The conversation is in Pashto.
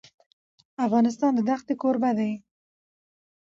افغانستان د دښتې کوربه دی.